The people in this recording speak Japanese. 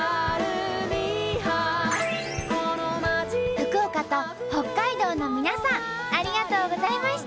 福岡と北海道の皆さんありがとうございました！